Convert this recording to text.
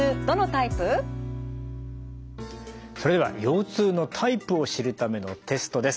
それでは腰痛のタイプを知るためのテストです。